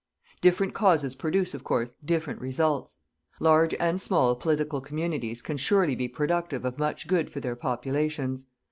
Different causes produce, of course, different results. Large and small political communities can surely be productive of much good for their populations.